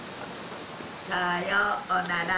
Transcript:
「さよなら」